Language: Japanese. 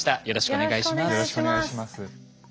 よろしくお願いします。